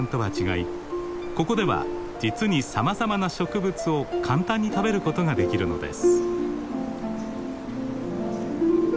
ここでは実にさまざまな植物を簡単に食べることができるのです。